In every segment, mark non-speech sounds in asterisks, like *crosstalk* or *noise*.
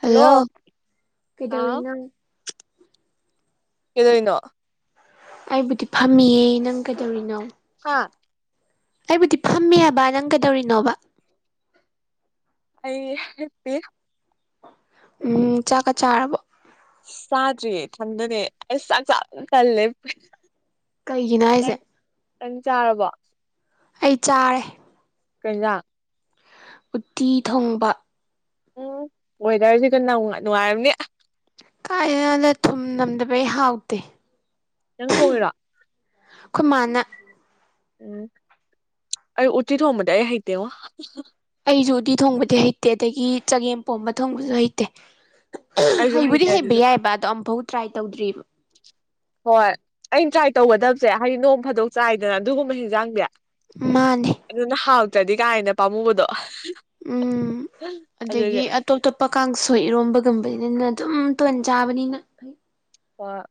hello ꯀꯩꯗꯧꯔꯤꯅꯣ ꯀꯩꯗꯣꯏꯅꯣ ꯑꯩꯕꯨꯗꯤ ꯐꯝꯃꯤꯌꯦ ꯅꯪ ꯀꯩꯗꯧꯔꯤꯅꯣ ꯍꯥ ꯑꯩꯕꯨꯗꯤ ꯐꯝꯃꯦ ꯍꯥꯏꯕ ꯅꯪ ꯀꯩꯗꯧꯔꯤꯅꯣꯕ ꯑꯩ ꯍꯤꯞꯄꯤ ꯎꯝ ꯆꯥꯛꯀ ꯆꯥꯔꯕꯣ ꯆꯥꯗ꯭ꯔꯤꯌꯦ ꯊꯪꯗꯅꯦ ꯑꯩ ꯆꯥꯛ ꯆꯥ ꯌꯥꯝ ꯇꯜꯂꯦ ꯀꯩꯒꯤꯅꯣ ꯅꯪ ꯍꯥꯏꯁꯦ ꯅꯪ ꯆꯥꯔꯕꯣ ꯑꯩ ꯆꯥꯔꯦ ꯀꯩꯖꯥꯡ ꯎꯠꯇꯤ ꯊꯣꯡꯕ ꯎꯝ ꯋꯦꯗꯔꯁꯤꯒ ꯅꯧꯅ ꯅꯨꯡꯉꯥꯏꯔꯝꯅꯤ ꯀꯥꯏꯗꯩꯅꯣꯗ ꯊꯨꯝ ꯅꯝꯗꯕꯩ ꯍꯥꯎꯇꯦ ꯅꯪ ꯊꯣꯡꯉꯤꯔꯣ ꯑꯈꯣꯏꯃꯥꯟꯅ ꯎꯝ ꯑꯩ ꯎꯇꯤ ꯊꯣꯡꯕꯗꯤ ꯑꯩ ꯍꯩꯇꯦꯉꯣ ꯑꯩꯁꯨ ꯎꯇꯤ ꯊꯣꯡꯕꯗꯤ ꯍꯩꯇꯦ ꯑꯗꯒꯤ ꯆꯒꯦꯝ ꯄꯣꯝꯕ ꯊꯣꯡꯕꯁꯨ ꯍꯩꯇꯦ ꯑꯩꯁꯨ ꯍꯩꯕꯨꯗꯤ ꯍꯩꯇꯦ ꯍꯩꯕ ꯑꯗꯨꯁꯨ ꯌꯥꯏꯕ ꯑꯗꯣ ꯑꯝꯐꯥꯎ ꯇ꯭ꯔꯥꯏ ꯇꯧꯗ꯭ꯔꯤꯕ ꯍꯣꯏ ꯑꯩꯅ ꯇ꯭ꯔꯥꯏ ꯇꯧꯒꯗꯕꯁꯦ ꯍꯥꯏꯗꯤ ꯅꯣꯡ ꯐꯥꯗꯣꯛ ꯆꯥꯏꯗꯅ ꯑꯗꯨꯒꯨꯝꯕ ꯍꯤꯟꯖꯥꯡꯗꯖ‌ꯦ ꯃꯥꯟꯅꯦ ꯑꯗꯨꯅ ꯍꯥꯎꯇ꯭ꯔꯗꯤ ꯀꯥꯏꯅ ꯄꯥꯝꯃꯨꯕꯗꯣ ꯎꯝ ꯑꯗꯒꯤ ꯑꯗꯨꯒꯤ ꯇꯣꯞ ꯇꯣꯞꯄ ꯀꯥꯡꯁꯣꯏ ꯏꯔꯣꯝꯕꯒꯨꯝꯕꯕꯁꯤꯅꯤꯅ ꯑꯗꯨꯝ ꯇꯣꯟ ꯆꯥꯕꯅꯤꯅ ꯍꫭꯏ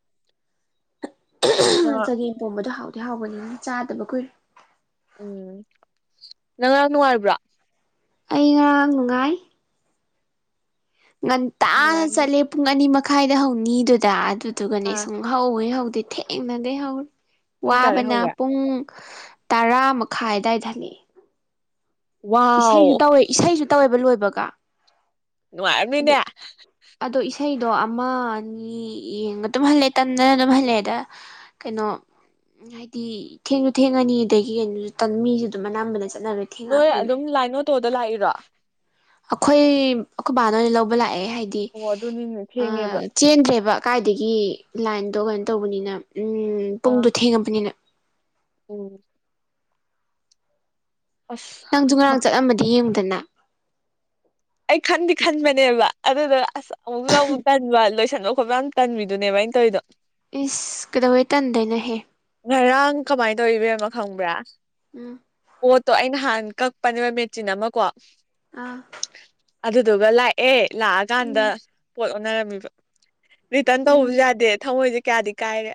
ꯑ *unintelligible* ꯑ *unintelligible* ꯆꯒꯦꯝ ꯄꯣꯝꯕꯗꯣ ꯍꯥꯎꯗꯤ ꯍꯥꯎꯕꯅꯤꯅ ꯆꯥꯗꯕ ꯀꯨꯏꯔ‌ꯦ ꯎꯝ ꯅꯪ ꯉꯔꯥꯡ ꯅꯨꯡꯉꯥꯏꯕ꯭ꯔꯣ ꯑꯩ ꯉꯔꯥꯡ ꯅꯨꯡꯉꯥꯏ ꯉꯟꯇꯥꯅ ꯅꯨꯡꯉꯥꯏꯔꯝꯅꯤ ꯆꯠꯂꯦ ꯄꯨꯡ ꯑꯅꯤ ꯃꯈꯥꯏꯗ ꯍꯧꯅꯤꯗꯨꯗ ꯑꯗꯨꯗꯨꯒꯅꯦ ꯁꯨꯝ ꯑꯥ ꯁꯨꯡꯍꯧ ꯍ‌ꯦꯛ ꯍꯧꯗꯦ ꯊꯦꯡꯅꯈꯩ ꯍꯧꯋꯤ ꯄꯨꯡ ꯀꯌꯥꯗꯩ ꯋꯥꯕꯅ ꯍꯧꯒꯦ ꯄꯨꯡ ꯇꯔꯥ ꯃꯈꯥꯏ ꯑꯋꯥꯏ ꯍꯜꯂꯛꯑ‌ꯦ ꯏꯁꯩꯁꯨ ꯋꯥꯎ ꯇꯧꯋꯦ ꯏꯁꯩꯁꯨ ꯇꯧꯋꯦꯕ ꯂꯣꯏꯕꯒ ꯑꯗꯩ ꯅꯨꯡꯉꯥꯏꯔꯝꯅꯤꯅꯦ ꯑꯗꯣ ꯏꯁꯩꯗꯣ ꯑꯃ ꯑꯅꯤ ꯌꯦꯡꯒ ꯑꯗꯨꯝ ꯍꯜꯂꯦ ꯇꯗꯅ ꯑꯗꯨꯝ ꯍꯜꯂꯦꯑ‌ꯦꯗ ꯀꯩꯅꯣ ꯎꯝ ꯍꯥꯏꯗꯤ ꯊꯦꯡꯁꯨ ꯊꯦꯡꯉꯅꯤ ꯑꯗꯒꯤ ꯀꯩꯅꯣꯁꯨ ꯃꯤꯁꯨ ꯑꯗꯨꯝ ꯑꯅꯥꯕꯅ ꯆꯠꯅꯔꯔꯤ ꯅꯣꯏ ꯑꯗꯨꯝ ꯂꯥꯏ ꯑꫭꯇꯣꯗ ꯂꯥꯛꯏꯔꯣ ꯑꯩꯈꯣꯏ ꯑꯩꯈꯣꯏ ꯕꯥꯅ ꯑꯣꯏꯅ ꯂꯧꯕ ꯂꯥꯛꯑꯦ ꯍꯥꯏꯗꯤ ꯑꯣ ꯑꯗꯨꯅꯤꯅꯦ ꯑ ꯊꯦꯡꯉꯦꯕ ꯆꯦꯟꯗ꯭ꯔꯦꯕ ꯀꯥꯏꯗꯒꯤ ꯂꯥꯏꯟꯗꯣ ꯀꯩꯅꯣ ꯇꯧꯕꯅꯤꯅ ꯎꯝ ꯑꯥ ꯄꯨꯡꯗꯣ ꯊꯦꯡꯉꯕꯅꯤꯅ ꯎꯝ ꯑꯁ ꯅꯪꯁꯨ ꯉꯔꯥꯡ ꯆꯠꯂꯝꯃꯗꯤ ꯌꯦꯡꯉꯨꯗꯅ ꯑꯩ ꯈꯟꯗꯤ ꯈꯟꯕꯅꯦꯕ ꯑꯗꯨꯗ ꯑꯁ ꯑꯃꯨꯛꯁꯨ ꯑꯃꯨꯛ ꯀꯟꯕ ꯂꯣꯏꯁꯟꯗ *unintelligible* ꯃꯃꯥꯡ ꯟꯃꯤꯗꯨꯅꯦꯕꯥ ꯑꯩꯅ ꯇꯧꯔꯤꯗꯣ ꯏꯁ ꯀꯩꯗꯧꯕꯩ ꯇꯟꯗꯣꯏꯅꫭꯍꯦ ꯉꯔꯥꯡ ꯀꯃꯥꯏꯅ ꯇꯧꯋꯤ ꯏꯕ‌ꯦꯝꯃ ꯈꯪꯕ꯭ꯔꯥ ꯎꯝ ꯄꯣꯠꯇꯣ ꯑꯩꯅ ꯍꯥꯟꯅ ꯀꯛꯄꯅꯦꯕ ꯃꯦꯆꯤꯟ ꯑꯃ ꯀꯣ ꯑꯥ ꯑꯗꯨꯗꯨꯒ ꯂꯥꯛꯑꯦ ꯂꯥꯛꯑꯀꯥꯟꯗ ꯎꯝ ꯄꯣꯠ ꯑꯣꯟꯅꯔꯝꯃꯤꯕ ꯔꯤꯇꯔꯟ ꯎꯝ ꯇꯧꯕꯁꯨ ꯌꯥꯗꯦ ꯊꯃꯣꯏꯁꯦ ꯀꯌꯥꯗꯤ ꯀꯥꯏꯔꯦ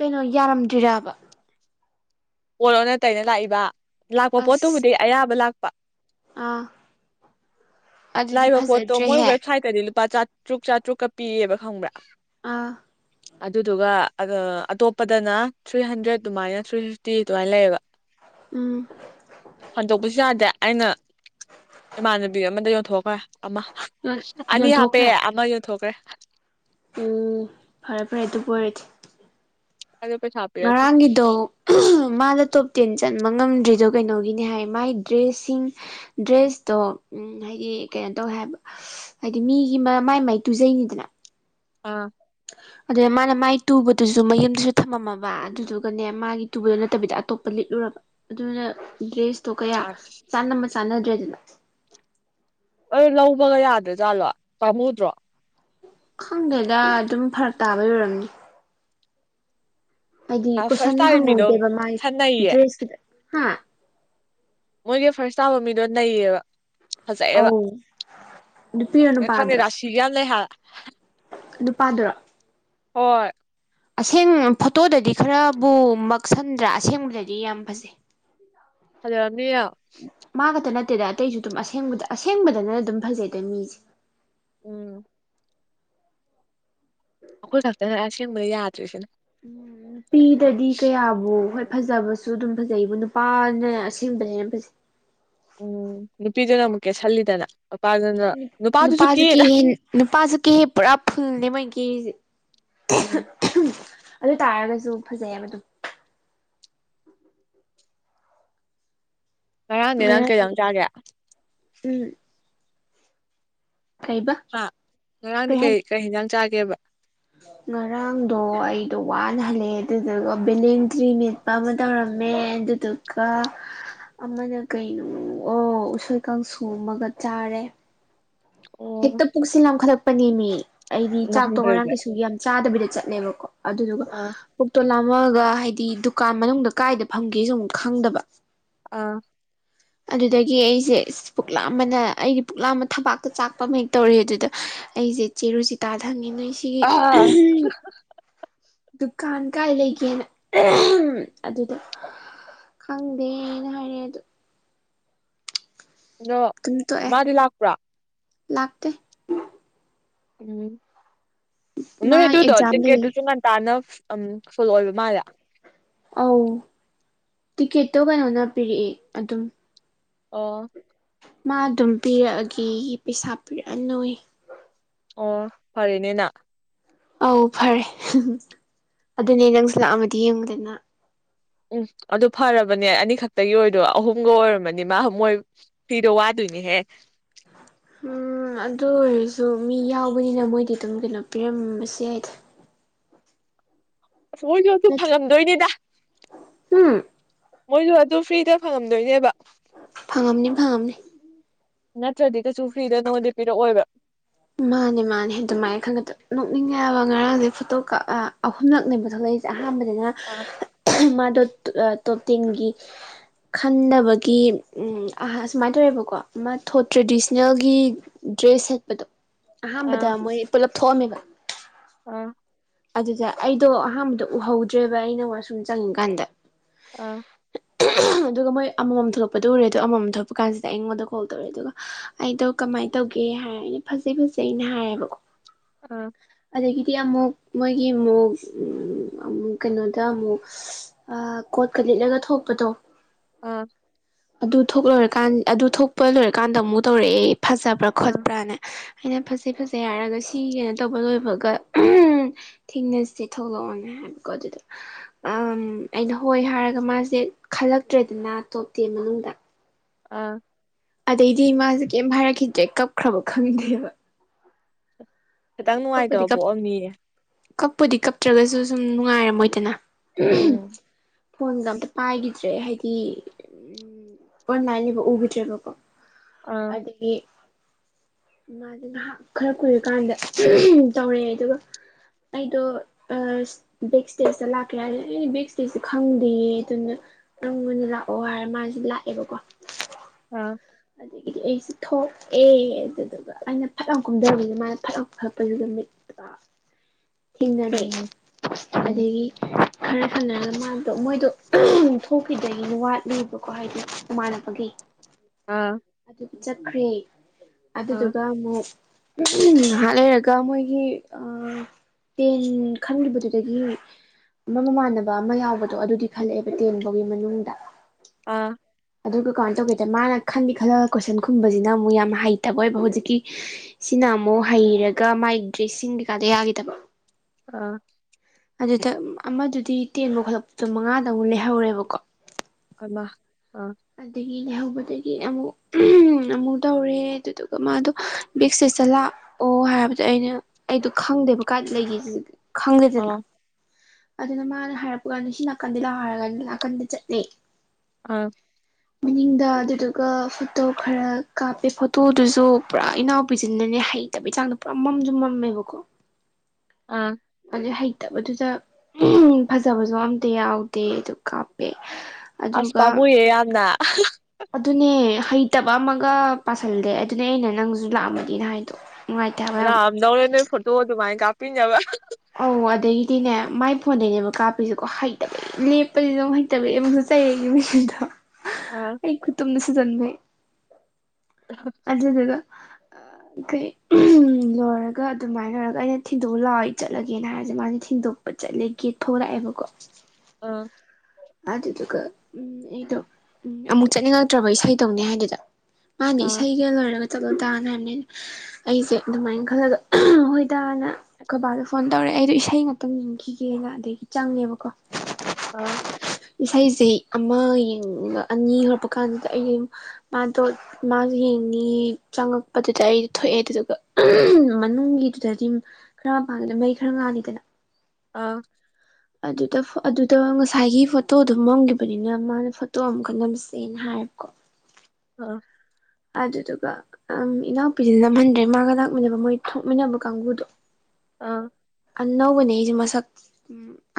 ꯀꯩꯅꯣ ꯌꯥꯔꯝꯗ꯭ꯔꯤꯔꯕ ꯄꫭꯠ ꯑꯣꯅ ꯇꯩꯅ ꯂꯥꯛꯏꯕ ꯂꯥꯛꯄ ꯑꯁ ꯄꯣꯠꯇꯨꯕꯨꯗꯤ ꯑꯌꯥꯕ ꯂꯥꯛꯄ ꯑꯥ ꯑꯗꯨꯗꯤ ꯂꯥꯛꯏꯕ ꯄꯣꯠꯇꯣ ꯃꯣꯏ ꯐꯖꯗ꯭ꯔꯦꯍꯦ ꯋꯦꯕꯁꯥꯏꯠꯇꯗꯤ ꯂꯨꯄꯥ ꯆꯥꯇ꯭ꯔꯨꯛ ꯆꯥꯇ꯭ꯔꯨꯛꯀ ꯄꯤꯌꯦꯕ ꯈꯪꯕ꯭ꯔꯥ ꯑꯥ ꯑꯗꯨꯗꯨꯒ ꯑꯇꯣꯞꯄꯗꯅ ꯊ꯭ꯔꯤ ꯍꯟꯗ꯭ꯔꯦꯠ ꯑꯗꯨꯃꯥꯏꯅ ꯊ꯭ꯔꯤ ꯇꯤ ꯑꯗꯨꯃꯥꯏꯅ ꯂꯩꯌꯦꯕ ꯎꯝ ꯍꯟꯗꯣꯛꯄꯁꯨ ꯌꯥꯗꯦ ꯑꯩꯅ ꯏꯃꯥꯟꯅꯕꯤ ꯑꯃꯗ ꯌꯣꯟꯊꯣꯛꯈ꯭ꯔꯦ ꯑꯃ ꯑꯅꯤ ꯍꯥꯞꯄꯦ ꯌꯣꯟꯊꯣꯛꯈ꯭ꯔꯦ ꯑꯃ ꯌꯣꯟꯊꯣꯛꯈ꯭ꯔꯦ ꯎꯝ ꯐꯔꯦ ꯐꯔꯦ ꯑꯗꯨꯕꯨ ꯑꯣꯏꯔꯗꯤ ꯀ *unintelligible* ꯄꯩꯁꯥ ꯄꯤꯔꯛꯇ꯭ꯔꯤ ꯉꯔꯥꯡꯒꯤꯗꯣ ꯃꯥꯅ ꯇꯣꯞ ꯇꯦꯟ ꯆꯟꯕ ꯉꯝꯗ꯭ꯔꯤꯗꯣ ꯀꯩꯅꯣꯒꯤꯅꯤ ꯍꯥꯏ ꯃꯥꯏ ꯗ꯭ꯔꯦꯁꯁꯤꯡ ꯗ꯭ꯔꯦꯁꯇꯣ ꯎꯝ ꯍꯥꯏꯗꯤ ꯀꯩꯅꯣ ꯇꯧꯋꯦ ꯍꯥꯏꯕ ꯍꯥꯏꯗꯤ ꯃꯤꯒꯤ ꯃꯥꯏ ꯃꯥꯏ ꯇꯨꯖꯩꯅꯤꯗꯅ ꯑꯥ ꯑꯗꯨꯅ ꯃꯥꯅ ꯃꯥꯏ ꯇꯨꯕꯗꯨꯁꯨ ꯃꯌꯨꯝꯗꯨꯁꯨ ꯊꯝꯃꯝꯃꯕ ꯑꯗꯨꯗꯨꯒꯅꯦ ꯃꯥꯒꯤ ꯇꯨꯕꯗ ꯅꯠꯇꯕꯤꯗ ꯑꯇꯣꯞꯄ ꯂꯤꯠꯂꯨꯔꯕ ꯑꯗꯨꯅ ꯗ꯭ꯔꯦꯁ ꯇꯣ ꯀꯌꯥ ꯑꯁ ꯆꯥꯟꯃ ꯆꯥꯟꯅꯗ꯭ꯔꯦꯗꯅ ꯑ ꯂꯧꯕꯒ ꯌꯥꯗ꯭ꯔꯖꯥꯠꯂꯣ ꯄꯥꯃꯨꯗ꯭ꯔꯣ ꯈꯪꯗꯦꯗ ꯑꯗꯨꯝ ꯐꯔꯛ ꯇꯥꯕꯩ ꯑꯣꯏꯔꯝꯅꯤ ꯍꯥꯏꯗꯤ ꯑ ꯐꯥꯔꯁ ꯀꯣꯏꯁꯟ ꯇꯥꯕ ꯃꯤꯗꯣ ꯍꯪꯍꯧꯗꯦꯕ ꯃꯥꯒꯤ ꯈꯔ ꯅꯩꯌꯦ ꯗ꯭ꯔꯦꯁꯀꯤꯗ ꯍꯥ ꯃꯣꯏꯒꯤ ꯐꯥꯔꯁ ꯇꯥꯕ ꯃꯤꯗꯣ ꯅꯩꯌꯦꯕ ꯐꯖꯩꯑꯦꯕ ꯑꯧ ꯅꯨꯄꯤꯔꯣ ꯈꯪꯗꯦ ꯅꯨꯄꯥꯗꯨꯔꯣ ꯔꯥꯁꯤꯒ ꯌꯥꯝ ꯂꯩ ꯍꯥꯏꯕ ꯅꯨꯄꯥꯗꯨꯔꯣ ꯍꯣꯏ ꯑꯁꯦꯡ ꯐꯣꯇꯣꯗꯗꯤ ꯈꯔꯕꯨ ꯃꯛꯁꯟꯗ꯭ꯔꯥ ꯑꯁꯦꯡꯕꯗꯗꯤ ꯌꯥꯝ ꯐꯖꯩ *inaudible* ꯐꯖꯔꯝꯅꯤ ꯌꯥꯝ ꯃꯥ ꯈꯛꯇ ꯅꯠꯇꯦꯗ ꯑꯇꯩꯁꯨ ꯑꯗꯨꯝ ꯑꯁꯦꯡꯕ ꯑꯁꯦꯡꯕꯗꯅ ꯑꯗꯨꯝ ꯐꯖꯩꯗ ꯃꯤꯁꯦ ꯎꯝ ꯑꯩꯈꯣꯏ ꯈꯛꯇꯅꯦ ꯑꯁꯦꯡꯕꯗ ꯌꯥꯗ꯭ꯔꯤꯁꯤꯅ ꯎꯝ ꯅꯨꯄꯤꯗꯗꯤ ꯀꯌꯥꯕꯨ ꯍꯣꯏ ꯐꯖꯕꯁꯨ ꯑꯗꯨꯝ ꯐꯖꯩꯕꯨ ꯅꯨꯄꯥꯅ ꯑꯁꯦꯡꯕꯅ ꯍꯦꯟꯅ ꯐꯖꯩ ꯎꯝ ꯅꯨꯄꯤꯗꯨꯅ ꯃꯨꯛ ꯀꯦꯁꯜꯂꯤꯗꯅ ꯅꯨꯄꯥꯁꯨ ꯀꯦꯍꯦ ꯅꯨꯄꯥꯁꯨ ꯀꯦꯍꯦ ꯄꯨꯔꯥ ꯐꯨꯜꯂꯦ ꯃꯣꯏ ꯀꯦꯔꯤꯁꯦ ꯎꯝ ꯑꯗꯨꯏ ꯇꯥꯔꯒꯁꯨ ꯐꯖꯩꯑꯕ ꯑꯗꯨꯝ ꯉꯔꯥꯡꯗꯤ ꯅꯪ ꯉꯔꯥꯡ ꯀꯩ ꯏꯟꯁꯥꯡ ꯆꯥꯒꯦ ꯎꯝ ꯀꯩꯕ ꯍꯥ ꯉꯔꯥꯡꯗꯤ ꯀꯩ ꯀꯔꯤ ꯍꯤꯟꯖꯥꯡ ꯆꯥꯒꯦꯕ ꯉꯔꯥꯡꯗꯣ ꯑꯩꯗꯣ ꯋꯥꯅ ꯍꯜꯂꯛꯑꯦ ꯑꯗꯨꯗꯨꯒ ꯕꯦꯂꯦꯟ ꯗ꯭ꯔꯤ ꯃꯦꯠ ꯄꯥ ꯑꯃ ꯇꯧꯔꯝꯃꯦ ꯑꯗꯨꯗꯨꯒ ꯑꯃꯅ ꯀꯩꯅꯣ ꯑꯣ ꯎꯁꯣꯏ ꯀꯥꯡꯁꯨ ꯑꯃꯒ ꯆꯥꯔꯦ ꯑꯣ ꯍꯦꯛꯇ ꯄꯨꯛꯁꯤ ꯂꯥꯝꯈꯠꯂꯛꯄꯅꯦꯃꯤ ꯑꯩꯗꯤ ꯆꯥꯛꯇꯣ ꯉꯔꯥꯡ ꯅꯍꯟꯗ꯭ꯔꯒꯦ ꯀꯩꯁꯨ ꯌꯥꯝ ꯆꯥꯗꯕꯤꯗ ꯆꯠꯂꯦꯕꯀꯣ ꯑꯗꯨꯗꯨꯒ ꯑꯥ ꯄꯨꯛꯇꯣ ꯂꯥꯝꯃꯛꯑꯒ ꯍꯥꯏꯗꯤ ꯗꯨꯀꯥꯟ ꯃꯅꯨꯡꯗ ꯀꯥꯏꯗ ꯐꯝꯒꯦꯁꯨ ꯑꯃꯨꯛ ꯈꯪꯗꯕ ꯑꯥ ꯑꯗꯨꯗꯒꯤ ꯑꯩꯁꯦ ꯑꯁ ꯄꯨꯛꯂꯥꯝꯕꯅ ꯑꯩꯒꯤ ꯄꯨꯛꯂꯥꯝꯕ ꯊꯕꯥꯛꯇ ꯆꯥꯛꯄ ꯍꯦꯛ ꯇꯧꯔꯛꯌꯦ ꯑꯗꯨꯗ ꯑꯩꯁꯦ ꯆꯦ ꯔꯨꯖꯤꯇꯥ ꯗ ꯍꯪꯉꯦ ꯅꯣꯏ ꯁꯤꯒꯤ ꯑꯥ ꯗꯨꯀꯥꯟ ꯀꯥꯏ ꯂꯩꯒꯦꯅꯑꯗꯨꯗ ꯈꯪꯗꯦꯅ ꯍꯥꯏꯔꯦ ꯑꯗꯣ ꯑꯗꯣ ꯑꯗꯨꯝ ꯇꯣꯛꯑꯦ ꯃꯥꯗꯤ ꯂꯥꯛꯄ꯭ꯔꯥ ꯂꯥꯛꯇꯦ ꯎꯝ ꯃꯥ ꯅꯣꯏ ꯑꯗꯨꯗꯣ ꯑꯦꯛꯖꯥꯝ ꯇꯤꯀꯦꯠ ꯂꯩꯌꯦ ꯇꯨꯁꯨ ꯉꯟꯇꯥꯅ ꯎꯝ ꯐꯨꯜ ꯑꯣꯏꯕ ꯃꯥꯟꯂꯦ ꯑꯧ ꯇꯤꯛꯀꯦꯠꯇꯣ ꯀꯩꯅꯣꯅ ꯄꯤꯔꯛꯑꯦ ꯑꯗꯨꯝ ꯑꯣ ꯃꯥ ꯑꯗꯨꯝ ꯄꯤꯔꯛꯑꯒꯦꯌꯦ ꯄꯩꯁꯥ ꯄꯤꯔꯛꯑ ꯅꯣꯌꯦ ꯑꯣ ꯐꯔꯦꯅꯦ ꯅꯪ ꯑꯧ ꯐꯔꯦ ꯑꯗꯨꯅꯦ ꯅꯪꯁꯨ ꯂꯥꯛꯑꯝꯃꯗꯤ ꯌꯦꯡꯉꯨꯗꯅ ꯎꯝ ꯑꯗꯨ ꯐꯔꯕꯅꯦ ꯑꯅꯤꯈꯛꯇꯒꯤ ꯑꯣꯏꯗꯣ ꯑꯍꯨꯝꯒ ꯑꯣꯏꯔꯝꯃꯅꯤ ꯃꯥ ꯃꯣꯏ ꯐꯤꯗꯣ ꯋꯥꯗꯣꯏꯅꯤ ꯍꯦ ꯎꯝ ꯑꯗꯨ ꯑꯣꯏꯔꯁꯨ ꯃꯤ ꯌꯥꯎꯕꯅꯤꯅ ꯃꯣꯏꯗꯤ ꯑꯗꯨꯝ ꯀꯩꯅꯣ ꯄꯤꯔꯝꯕꯁꯨ ꯌꯥꯏꯗ ꯑꯁ ꯃꯣꯏꯁꯨ ꯑꯗꯨ ꯅꯠꯇ꯭ꯔ ꯐꯪꯉꯝꯗꯣꯏꯅꯤꯗ ꯎꯝ ꯃꯣꯏꯁꯨ ꯑꯗꯨ ꯐ꯭ꯔꯤꯗ ꯐꯪꯉꯝꯗꯣꯏꯅꯦꯕ ꯐꯪꯉꯝꯅꯤ ꯐꯪꯉꯝꯅꯤ ꯅꯠꯇ꯭ꯔꯗꯤ ꯀꯩꯁꯨ ꯐ꯭ꯔꯝꯗ ꯅꯉꯣꯟꯗ ꯄꯤꯔꯛꯑꯣꯏꯕ ꯃꯥꯅꯦ ꯃꯥꯅꯦ ꯑꯗꯨꯃꯥꯏꯅ ꯈꯟꯒꯗ ꯅꯣꯛꯅꯤꯡ ꯍꯥꯏꯕ ꯉꯔꯥꯡꯁꯦ ꯐꯣꯇꯣ ꯀꯥꯞ ꯑꯍꯨꯝꯂꯛꯅꯦꯕ ꯊꯣꯛꯂꯛꯏꯁꯦ ꯁꯦ ꯑꯍꯥꯟꯕꯗꯅ ꯑꯥ *unintelligible* ꯃꯥꯗꯣ ꯇꯣꯇꯦꯡꯒꯤ ꯈꯟꯗꯕꯒꯤ ꯑ ꯑꯁꯨꯃꯥꯏꯅ ꯇꯧꯋꯦꯕꯀꯣ ꯃꯥ ꯊꯣ ꯇ꯭ꯔꯦꯗꯤꯁꯅꯦꯜꯒꯤ ꯗ꯭ꯔꯦꯁ ꯁꯦꯠꯄꯗꯣ ꯑꯍꯥꯟꯕꯗ ꯃꯣꯏ ꯄꯨꯂꯞ ꯊꯣꯛꯑꯝꯃꯦꯕ ꯑꯝ ꯑꯗꯨꯗ ꯑꯩꯗꯣ ꯑꯍꯥꯟꯕꯗ ꯎꯍꯧꯗ꯭ꯔꯦꯕ ꯑꯩꯅ ꯋꯥꯁꯔꯨꯝ ꯆꯪꯉꯤꯀꯥꯟꯗ ꯑꯝ ꯑꯗꯨꯒ ꯃꯣꯏ ꯑꯃꯃꯝ ꯊꯣꯛꯂꯛꯄꯗꯨ ꯎꯔꯦ ꯑꯗꯣ ꯑꯃꯃꯝ ꯊꯣꯛꯂꯄ ꯀꯥꯟꯁꯤꯗ ꯑꯩꯉꯣꯟꯗ ꯀꯣꯜ ꯇꯧꯔꯦ ꯑꯗꯨꯒ ꯑꯩꯗꯣ ꯀꯃꯥꯏꯟ ꯇꯧꯒꯦ ꯍꯥꯏꯔꯦ ꯑꯩꯅ ꯐꯖꯩ ꯐꯖꯩꯅ ꯍꯥꯏꯔꯦꯕꯀꯣ ꯑꯥꯝ ꯑꯗꯒꯤꯗꯤ ꯑꯃꯨꯛ ꯃꯣꯏꯒꯤ ꯃꯨꯛ ꯑꯃꯨꯛ ꯀꯩꯅꯣꯗ ꯑꯃꯨꯛ ꯑ ꯀꯣꯠꯀ ꯂꯤꯠꯂꯒ ꯊꯣꯛꯄꯗꯣ ꯑꯥꯝ ꯑꯗꯨ ꯊꯣꯛ ꯂꯣꯏꯔꯀꯥꯟ ꯑꯗꯨ ꯊꯣꯛꯄ ꯂꯣꯏꯔꯀꯥꯟꯗ ꯑꯃꯨꯛ ꯇꯧꯔꯛꯑꯦ ꯐꯖꯕ꯭ꯔꯥ ꯑꯥ ꯈꯣꯠꯄ꯭ꯔꯥꯅꯦ ꯑꯩꯅ ꯐꯖꯩ ꯐꯖꯩ ꯍꯥꯏꯔꯒ ꯁꯤ ꯀꯩꯅꯣ ꯇꯧꯕ ꯂꯣꯏꯕꯒ ꯊꯦꯡꯅꯁꯦ ꯊꯣꯛꯂꯛꯑꯣꯅ ꯍꯥꯏꯕꯀꯣ ꯑꯗꯨꯗ ꯑꯥꯝ ꯑꯩꯅ ꯍꯣꯏ ꯍꯥꯏꯔꯒ ꯃꯥꯖꯦ ꯈꯜꯂꯛꯇ꯭ꯔꯦꯗꯅ ꯇꯣꯞꯇꯦꯟ ꯃꯅꯨꯡꯗ ꯑꯥ ꯑꯗꯩꯗꯤ ꯃꯥꯖꯦ ꯀꯩꯝ ꯍꯥꯏꯔꯛꯈꯤꯗ꯭ꯔꯦ ꯀꯞꯈ꯭ꯔꯕ ꯈꯪꯗꯦꯕ ꯈꯤꯇꯪ ꯑꯗꯩ ꯀꯞꯄꯗꯤ ꯅꯨꯡꯉꯥꯏꯇꯕ ꯀꯞ ꯄꯣꯛꯑꯝꯅꯤꯌꯦ ꯀꯞꯄꯨꯗꯤ ꯀꯞꯇ꯭ꯔꯒꯁꯨ ꯁꯨꯝ ꯅꯨꯡꯉꯥꯏꯔꯝꯃꯣꯏꯗꯅ ꯎꯝ *unintelligible* ꯐꯣꯟꯒ ꯑꯝꯇ ꯄꯥꯏꯒꯤꯗ꯭ꯔꯦ ꯍꯥꯏꯗꯤ ꯎꯝ ꯑꯣꯟꯂꯥꯏꯟ ꯂꯩꯕ ꯎꯒꯤꯗ꯭ꯔꯦꯕꯀꯣ ꯑꯥ ꯑꯗꯒꯤ ꯃꯥꯖꯦ ꯉꯥꯍꯥꯛ ꯈꯔ ꯀꯨꯏꯔꯀꯥꯟꯗ ꯇꯧꯔꯛꯑꯦ ꯑꯗꯨꯒ ꯑꯩꯗꯣ ꯑꯁ ꯕꯦꯛ ꯏꯁꯇꯦꯖꯇ ꯂꯥꯛꯀꯦ ꯍꯥꯏꯔꯦ ꯑꯩꯩꯅ ꯕꯦꯛ ꯏꯁꯇꯦꯖꯇꯣ ꯈꯪꯗꯦ ꯑꯗꯨꯅ ꯅꯪ ꯑꯣꯏꯅ ꯂꯥꯛꯑꯣ ꯍꯥꯏꯔ ꯃꯥꯖꯦ ꯂꯥꯛꯑꯦꯕꯀꯣ ꯑ ꯑꯗꯒꯤꯗꯤ ꯑꯩꯁꯦ ꯊꯣꯂꯛꯑꯦ ꯑꯗꯨꯗꯨꯒ ꯑꯩꯅ ꯐꯠꯂꯥꯎ ꯀꯨꯝꯗꯕꯖꯤꯗ ꯃꯥꯅ ꯐꯠꯂꯥꯎ ꯐꯂꯛꯄꯁꯤꯗ ꯃꯤꯠ ꯑ ꯊꯦꯡꯅꯔꯦ ꯎꯝ ꯎꯝ ꯑꯗꯒꯤ ꯈꯔ ꯈꯅꯔꯒ ꯃꯥꯗꯣ ꯃꯣꯏꯗꯣ ꯊꯣꯛꯈꯤꯗ꯭ꯔꯤꯅ ꯋꯥꯠꯂꯤꯕꯀꯣ ꯍꯥꯏꯗꯤ ꯃꯃꯥꯟꯅꯕꯒꯤ ꯎꯝ ꯑꯗꯨꯒꯤ ꯆꯠꯈ꯭ꯔꯦ ꯑꯥ ꯑꯗꯨꯗꯨꯒ ꯑꯃꯨꯛ ꯉꯥꯍꯥꯛ ꯂꯩꯔꯒ ꯃꯣꯏꯒꯤ ꯑꯝ ꯇꯦꯟ ꯈꯟꯒꯤꯕꯗꯨꯗꯒꯤ ꯑꯃ ꯃꯃꯥꯟꯅꯕ ꯑꯃ ꯌꯥꯎꯕꯗꯣ ꯑꯗꯨꯗꯤ ꯈꯜꯂꯛꯑꯦꯕ ꯇꯦꯟ ꯕꯥꯎꯒꯤ ꯃꯅꯨꯡꯗ ꯑ ꯑꯗꯨꯒ ꯀꯃꯥꯏꯟ ꯇꯧꯒꯦꯗ ꯃꯥꯅ ꯈꯟꯗꯤ ꯈꯜꯂꯒ ꯀꯣꯏꯁꯟ ꯈꯨꯝꯕꯖꯤꯅ ꯑꯃꯨꯛ ꯌꯥꯝ ꯍꯩꯇꯕ ꯑꯣꯏꯕ ꯍꯧꯖꯤꯛꯀꯤ ꯁꯤꯅ ꯑꯃꯨꯛ ꯍꯩꯔꯒ ꯃꯥꯏ ꯗ꯭ꯔꯦꯁꯁꯤꯡ ꯀꯩꯀꯥꯗ ꯌꯥꯒꯤꯗꯕ ꯑꯥ ꯑꯗꯨꯗ ꯑꯃꯗꯨꯗꯤ ꯇꯦꯟꯕꯧ ꯈꯜꯂꯛꯄꯗꯣ ꯃꯉꯥꯗ ꯑꯃꯨꯛ ꯂꯩꯍꯧꯔꯦꯕꯀꯣ ꯑꯃ ꯑ ꯑꯗꯒꯤ ꯂꯩꯍꯧꯕꯗꯒꯤ ꯑꯃꯨꯛ ꯑꯃꯨꯛ ꯇꯧꯔꯦ ꯑꯗꯨꯗꯨꯒ ꯃꯥꯗꯣ ꯕꯦꯛ ꯏꯁꯇꯦꯖꯇ ꯂꯥꯛ ꯑꯣ ꯍꯥꯏꯕꯗꯤ ꯑꯩꯅ ꯑꯩꯗꯣ ꯈꯪꯗꯦꯕ ꯀꯥꯏ ꯂꯩꯒꯦꯖꯤꯗꯤ ꯈꯪꯗꯦꯗꯅ ꯑꯣ ꯑꯗꯨꯅ ꯃꯥꯅ ꯍꯥꯏꯔꯛꯄꯒꯥꯟꯗ ꯁꯤ ꯅꯥꯀꯟꯗ ꯂꯥꯛꯔꯒ ꯅꯥꯀꯟꯗ ꯆꯠꯂꯦ ꯑꯝ ꯃꯅꯤꯡꯗ ꯑꯗꯨꯗꯨꯒ ꯐꯣꯇꯣ ꯈꯔ ꯀꯥꯞꯄꯦ ꯐꯣꯇꯣꯗꯨꯖꯨ ꯄꯨꯔꯥꯛ ꯏꯅꯥꯎꯄꯤꯖꯤꯅꯅꯦ ꯍꯩ ꯇꯕꯩ ꯆꯥꯡꯗ ꯄꯨꯔꯥ ꯃꯝꯖꯨ ꯃꯝꯃꯦꯕꯀꯣ ꯑꯥ ꯑꯗꯩ ꯍꯩꯇꯕꯗꯨꯗ ꯎꯝ ꯐꯖꯕꯖꯨ ꯑꯝꯇ ꯌꯥꯎꯗꯦ ꯑꯗꯨ ꯀꯥꯞꯄꯦ ꯑꯁ ꯑꯗꯨꯒ ꯄꯥꯝꯃꯨꯏꯌꯦ ꯌꯥꯝꯅ ꯑꯗꯨꯅꯦ ꯍꯩꯇꯕ ꯑꯃꯒ ꯄꯥꯁꯜꯂꯦ ꯑꯗꯨꯅꯦ ꯑꯩꯅ ꯅꯪꯖꯨ ꯂꯥꯛꯑꯝꯃꯗꯤ ꯍꯥꯏꯗꯣ ꯅꯨꯡꯉꯥꯏꯇꯕꯦ ꯌꯥꯝ ꯗꯧꯔ‌ꯦꯅꫭꯏ ꯐꯣꯇꯨ ꯇꯨꯃꯥꯥꯏ ꯀꯥꯞꯄꯤꯅꯕ ꯑꯧ ꯑꯗꯒꯤꯗꯤꯅꯦ ꯃꯥꯏ ꯐꯣꯟꯗꯩꯅꯦꯕ ꯀꯥꯞꯄꯤꯁꯀꯣ ꯍꯩꯇꯕꯩ ꯂꯦꯞꯄꯁꯤꯗ ꯇꯕ ꯑꯃꯨꯁꯨ ꯆꯩꯔꯒꯤ ꯃꯤꯗꯣ ꯑꯥ ꯑꯩ ꯈꯨꯠꯇꯨꯝꯗꯁꯨ ꯆꯟꯕꯩ ꯑꯗꯨꯗꯨꯒ ꯑꯩꯈꯩ ꯂꯣꯏꯔꯒ ꯑꯗꯨꯃꯥꯏꯅ ꯑꯣꯏꯔꯒ ꯑꯩꯅ ꯊꯤꯟꯗꯣꯛꯑ ꯂꯥꯛꯑꯣꯏ ꯆꯠꯂꯒꯦꯅ ꯍꯥꯏꯔꯁꯦ ꯃꯥꯁ ꯊꯤꯟꯗꯣꯛ ꯆꯠꯂꯦ ꯒꯦꯠ ꯐꯧꯂꯥꯛꯑꯦꯕꯀꯣ ꯑ ꯑꯗꯨꯗꯨꯒ ꯎꯝ ꯑꯩꯗꯣ ꯎꯝ ꯑꯃꯨꯛ ꯆꯠꯅꯤꯡꯉꯛꯇ꯭ꯔꯕ ꯏꯁꯩꯗꯧꯅꯦ ꯍꯥꯏꯗꯨꯗ ꯃꯥꯗꯤ ꯑꯥ ꯏꯁꯩꯒ ꯂꯣꯏꯔꯒ ꯆꯠꯂꯨ ꯇꯅ ꯍꯥꯏꯕꯅꯤꯅ ꯑꯩꯁꯦ ꯑꯗꯨꯃꯥꯏꯅ ꯈꯜꯂꯒ ꯍꯣꯏꯇꯅ ꯑꯩꯈꯣꯏ ꯕꯥꯗꯣ ꯐꯣꯟ ꯇꯧꯔꯛꯑꯦ ꯑꯩꯗꯣ ꯏꯁꯩ ꯉꯥꯛꯇꯪ ꯌꯦꯡꯈꯤꯒꯦꯅ ꯑꯗꯒꯤ ꯆꯪꯉꯦꯕꯀꯣ ꯑ ꯏꯁꯩꯁꯦ ꯑꯃꯡ ꯑꯅꯤ ꯍꯧꯔꯛꯄ ꯀꯥꯟꯗꯨꯗ ꯑꯩ ꯃꯥꯗꯣ ꯃꯥꯁ ꯌꯦꯡꯅꯤ ꯆꯪꯉꯛꯄꯗꯨꯗꯤ ꯑꯩꯗꯤ ꯊꯣꯛꯑꯦ ꯑꯗꯨꯗꯨꯒ ꯃꯅꯨꯡꯒꯤꯗꯨꯗꯗꯤ ꯈꯔ ꯃꯄꯥꯟꯜꯂꯗ ꯃꯩ ꯈꯔ ꯉꯥꯜꯂꯤꯗꯅ ꯑꯥ ꯑꯗꯨꯗ ꯑꯗꯨꯗ ꯉꯁꯥꯏꯒꯤ ꯐꯣꯇꯣꯗꯣ ꯃꯝꯈꯤꯕꯅꯤꯅ ꯃꯥꯅ ꯐꯣꯇꯣ ꯑꯃꯈꯛ ꯅꯝꯁꯦꯅ ꯍꯥꯏꯌꯦꯕꯀꯣ ꯑꯥ ꯑꯗꯨꯗꯨꯒ ꯏꯅꯥꯎꯄꯤꯁꯤ ꯅꯝꯍꯟꯗ꯭ꯔꯦ ꯃꯥꯒ ꯂꯥꯛꯃꯤꯟꯅꯕ ꯃꯣꯏ ꯊꯣꯛꯃꯤꯟꯅꯕ ꯀꯥꯡꯕꯨꯗꯣ ꯑꯥ ꯑꯅꯧꯕꯅꯦ ꯑꯩꯁꯦ ꯃꯁꯛ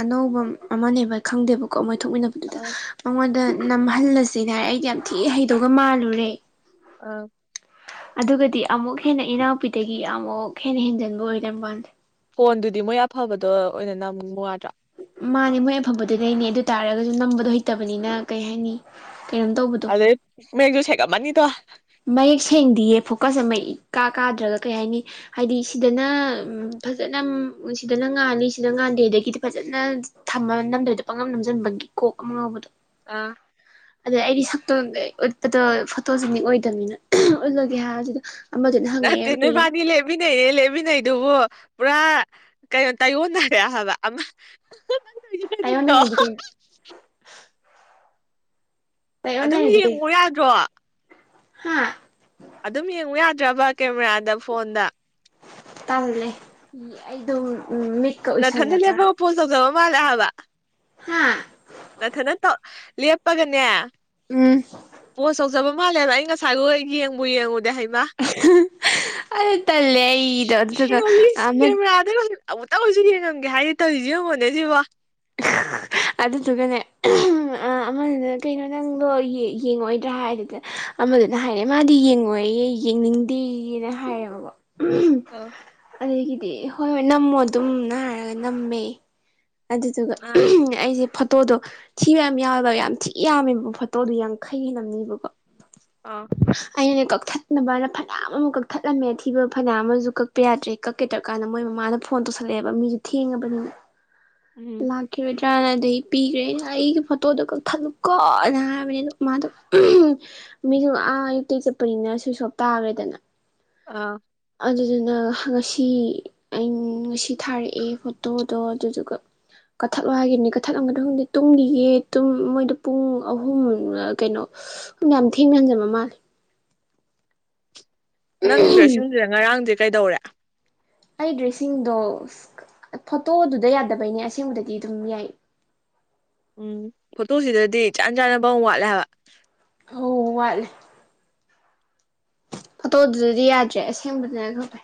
ꯑꯅꯧꯕ ꯑꯃꯅꯦꯕ ꯈꯪꯗꯦꯕꯀꯣ ꯃꯣꯏ ꯊꯣꯛꯃꯤꯟꯅꯕ ꯑꯥ ꯑꯩꯉꯣꯟꯗ ꯅꯝꯍꯜꯂꯁꯤꯅꯦ ꯍꯥꯏꯔꯦ ꯑꯩꯗꯤ ꯌꯥꯝ ꯊꯤ ꯍꯩꯗꯣꯛꯑꯒ ꯃꯥꯜꯂꯨꯔꯦ ꯑ ꯑꯗꯨꯒꯗꯤ ꯑꯃꯨꯛ ꯍꯦꯟꯅ ꯏꯅꯥꯎꯄꯤꯗꯒꯤ ꯑꯃꯨꯛ ꯍꯦꯟꯅ ꯍꯦꯟꯖꯤꯟꯕ ꯑꯣꯏ ꯂꯩꯔꯝꯕꯋꯥꯅꯤꯗ ꯐꯣꯟꯗꯨꯗꯤ ꯃꯣꯏ ꯑꯐꯕꯗꯣ ꯑꯣꯏꯅ ꯅꯝꯃꯨꯌꯥꯗ꯭ꯔꯥ ꯃꯥꯅꯦ ꯃꯣꯏ ꯑꯐꯕꯗꯤ ꯂꯩꯅꯤ ꯑꯗꯨ ꯇꯥꯔꯒꯁꯨ ꯅꯝꯕꯗꯣ ꯍꯩꯇꯕꯅꯤꯅ ꯀꯩ ꯍꯥꯏꯅꯤ ꯀꯩꯅꯣꯝ ꯇꯧꯕꯗ ꯃꯌ‌ꯦꯛꯁꯨ ꯁꯦꯒꯅꯤ ꯇꯣ ꯃꯌꯦꯛ ꯁꯦꯡꯗꯤꯌꯦ ꯐꯣꯀꯁ ꯑꯃ ꯃ ꯀꯥ ꯀꯥꯗ꯭ꯔꯒ ꯀꯩ ꯍꯥꯏꯅꯤ ꯍꯥꯏꯗꯤ ꯁꯤꯗꯅ ꯐꯖꯅ ꯁꯤꯗꯅ ꯉꯥꯜꯂꯤ ꯁꯤꯗ ꯉꯥꯟꯗꯦ ꯑꯗꯒꯤꯗꯤ ꯐꯖꯅ ꯊꯃ ꯅꯝꯗꯣꯏꯗꯣ ꯄꯪꯉꯝ ꯅꯝꯁꯤꯟꯕꯒꯤ ꯀꯣꯛ ꯑꯃ ꯉꯥꯎꯕꯗꯣ ꯑ ꯑꯗ ꯑꯩꯗꯤ ꯁꯛꯇꯣ ꯎꯠꯄꯗꯣ ꯐꯣꯇꯣꯁꯛ ꯑꯣꯏꯗ ꯅꯤꯅ ꯎꯠꯂꯒꯦ ꯍꯥꯏꯕꯗꯨꯗ ꯑꯃꯗꯨꯅ ꯍꯪꯉꯛꯑꯦ ꯀꯩ ꯂꯦꯞꯃꯤꯟꯅꯩꯌꯦ ꯂꯦꯞꯃꯤꯟꯅꯩꯗꯨꯕꯨ ꯄꯨꯔꯥ ꯀꯩꯅꯣ ꯇꯥꯏꯌꯣꯟꯅꯔꯦ ꯍꯥꯏꯕ ꯑꯃ ꯇꯥꯏꯣꯟꯅꯦ ꯍꯥꯏꯗꯤꯀꯩꯅꫭ ꯑꯗꯨꯝ ꯇꯥꯏꯌꯣꯟꯅꯔꯗꯤ ꯀꯩꯅꯣ ꯌꯦꯡꯉꯣ ꯌꯥꯗ꯭ꯔꯣ ꯍꯥ ꯑꯗꯨꯝ ꯌꯦꯡꯉꯨ ꯌꯥꯗ꯭ꯔꯕ ꯀꯦꯃꯦꯔꯥꯗ ꯐꯣꯟꯗ ꯇꯜꯂꯦ ꯑꯩꯗꯨ ꯎ ꯃꯤꯠ ꯅꯊꯟꯗ ꯂꯦꯞꯄꯒ ꯄꯣꯠ ꯇꯧꯖꯕ ꯃꯥꯜꯂꯑꯕ ꯍꯥ ꯅꯊꯟꯗ ꯆꯞꯄꯒꯅꯦ ꯎꯝ ꯄꯣꯁ ꯇꯧꯖꯕ ꯃꯥꯜꯂꯦꯕ ꯑꯩ ꯉꯁꯥꯏ ꯂꯣꯏ ꯌꯦꯡꯉ ꯌꯦꯡꯉꯨꯗꯦ ꯍꯩꯃ ꯑꯗꯨ ꯇꯜꯂꯦ ꯑꯩꯗꯣ ꯑꯗꯨꯗꯨꯒ ꯏꯩꯅꯁ ꯑꯃ ꯀꯔꯥꯗ *unintelligible* ꯇꯕꯨꯛꯇꯧꯁꯨ ꯌꯦꯡꯉꯝꯒꯦ ꯍꯥꯏꯗꯤ ꯇꯧꯔꯤꯁꯤ ꯌꯦꯡꯉꯣꯅꯦ ꯁꯤꯕꯣ ꯍ ꯑꯗꯨꯗꯨꯒꯅꯦ ꯑꯃꯗꯨꯅ ꯀꯩꯅꯣ ꯅꯪꯗꯣ ꯌꯦꯡꯉꯣꯏꯗ꯭ꯔꯥ ꯍꯥꯏꯗꯨꯗ ꯑꯃꯗꯨꯅ ꯍꯥꯏꯔꯦ ꯃꯥꯗꯤ ꯌꯦꯡꯉꯣꯏꯌꯦ ꯌꯦꯡꯅꯤꯡꯗꯦꯅ ꯍꯥꯏꯌꯦꯕꯀꯣ ꯑꯗꯨꯒꯤꯗꯤ ꯍꯣꯏ ꯍꯣꯏ ꯅꯝꯃꯣ ꯑꯗꯨꯝꯅ ꯍꯥꯏꯔꯒ ꯅꯝꯃꯦ ꯑꯗꯨꯗꯨꯒ ꯑꯥ ꯑꯩꯁꯦ ꯐꯣꯇꯣꯗꯣ ꯊꯤꯕ ꯌꯥꯝ ꯌꯥꯎꯗꯕ ꯌꯥꯝ ꯊꯤ ꯌꯥꯝꯃꯦꯕ ꯐꯣꯇꯣꯗꯨ ꯌꯥꯡ ꯈꯩꯍ‌ꯦꯜꯂꯝꯅ‌ꯦꯕꯀꯣ ꯑꯥ ꯑꯩꯅ ꯀꯛꯊꯠꯅꯕꯅ ꯐꯅꯌꯥꯝ ꯑꯃ ꯀꯛꯊꯠꯂꯝꯃꯦ ꯑꯊꯤꯕ ꯐꯅꯌꯥꯝ ꯑꯃꯁꯨ ꯀꯛꯄ ꯌꯥꯗ꯭ꯔꯦ ꯀꯛꯀꯦꯗ꯭ꯔꯀꯥꯟꯗ ꯃꯣꯏ ꯃꯃꯥꯅ ꯐꯣꯟ ꯇꯧꯁꯜꯂꯛꯑꯦꯕ ꯃꯤꯁꯨ ꯊꯦꯡꯉꯕꯅꯤ ꯎꯝ ꯀꯦꯔꯗ꯭ꯔꯥꯅ ꯑꯩ ꯄꯤꯈ꯭ꯔꯦ ꯑꯩꯅ ꯑꯩꯒꯤ ꯐꯣꯇꯣꯗꯣ ꯀꯛꯊꯠꯂꯨꯀꯣꯅ ꯍꯥꯏꯕꯅꯦ ꯑꯗꯣ ꯃꯥꯗꯣ ꯃꯤꯁꯨ ꯑꯥ ꯑꯌꯨꯛꯇꯤ ꯆꯠꯄꯅꯤꯅ ꯁ꯭ꯋꯁ ꯍꯣꯞ ꯇꯥꯈ꯭ꯔꯦꯗꯅ ꯑꯥ ꯑꯗꯨꯗꯨꯅ ꯉꯁꯤ ꯑ ꯉꯁꯤ ꯊꯥꯔꯛꯑꯦ ꯐꯣꯇꯣꯗꯣ ꯑꯗꯨꯗꯨꯒ ꯀꯛꯊꯠꯂꯣ ꯍꯥꯏꯈꯤꯕꯅꯤ ꯀꯛꯊꯠꯂꯝꯒꯗꯕ ꯈꯪꯗꯦ ꯇꯨꯝꯒꯤꯌꯦ ꯃꯣꯏꯗ ꯄꯨꯡ ꯑꯍꯨꯝ ꯀꯩꯅꯣ ꯃꯌꯥꯝ ꯊꯦꯡ ꯃꯌꯥꯝꯖꯃ ꯃꯥꯜ ꯅꯪ ꯗ꯭ꯔꯦꯁꯤꯡꯗꯨꯗ ꯉꯔꯥꯡꯗꯤ ꯀꯩꯗꯧꯔꯦ ꯑꯩ ꯗ꯭ꯔꯦꯁꯁꯤꯡꯗꯣ ꯐꯣꯇꯣꯗꯨꯗ ꯌꯥꯗꯕꯩꯅꯦ ꯑꯁꯦꯡꯕꯗꯗꯤ ꯑꯗꯨꯝ ꯌꯥꯏ ꯎꯝ ꯐꯣꯇꯣ ꯁꯤꯗꯗꯤ ꯆꯥꯟ ꯆꯥꯅꯕ ꯋꯥꯠꯂꯦ ꯍꯥꯏꯕ ꯍ ꯋꯥ ꯑꯇꯣ ꯑꯗꯨꯗꯗꯤ ꯌꯥꯗ꯭ꯔꯦ ꯑꯁꯦꯡꯕꯗꯅ ꯈꯩ